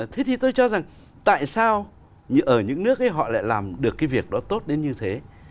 thế thì tôi cho rằng tại sao ở những nước ấy họ lại làm được cái việc đó tốt đến như thế